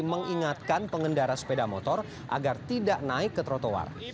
mengingatkan pengendara sepeda motor agar tidak naik ke trotoar